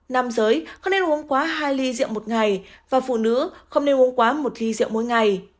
nam giới không nên uống quá hai ly rượu một ngày và phụ nữ không nên uống quá một ly rượu mỗi ngày